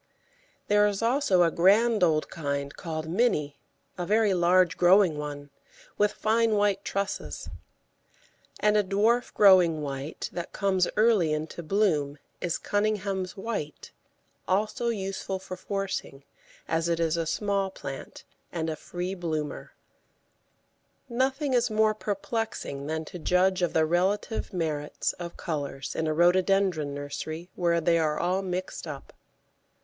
There is also a grand old kind called Minnie, a very large growing one, with fine white trusses; and a dwarf growing white that comes early into bloom is Cunningham's White, also useful for forcing, as it is a small plant, and a free bloomer. [Illustration: GRASS WALKS THROUGH THE COPSE.] Nothing is more perplexing than to judge of the relative merits of colours in a Rhododendron nursery, where they are all mixed up.